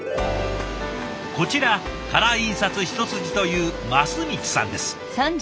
こちらカラー印刷一筋という増満さんです。